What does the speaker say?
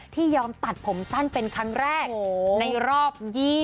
ยอมตัดผมสั้นเป็นครั้งแรกในรอบ๒๐